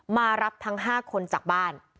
มารับทั้ง๕คนจากบ้าน